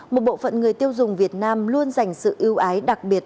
một bộ phận người tiêu dùng việt nam luôn dành sự ưu ái đặc biệt